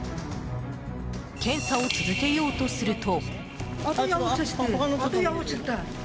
検査を続けようとすると。